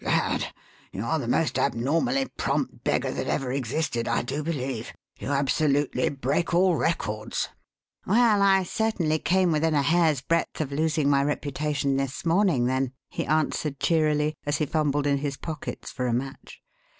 Gad! You're the most abnormally prompt beggar that ever existed, I do believe. You absolutely break all records." "Well, I certainly came within a hair's breadth of losing my reputation this morning, then," he answered cheerily, as he fumbled in his pockets for a match.